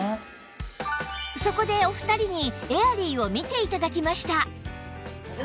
そこでお二人にエアリーを見て頂きました